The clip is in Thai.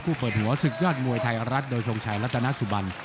คู่เปิดหัวสุดยอดมวยไทยรัฐโดยชงชัยรัฐนาสุบัน